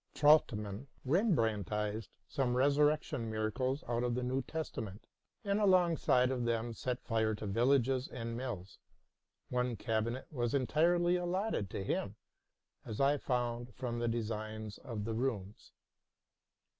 Trautmann Rembrandtized some resurrection miracles out of the New Testament, and alongside of them set fire to villages and mills. One cabinet was entirely allotted to him, as I found from the designs of the rooms.